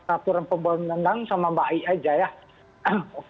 aturan pembangunan nendang sama mbak i